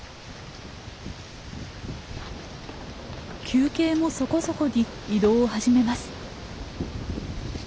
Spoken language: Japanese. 休憩もそこそこに移動を始めます。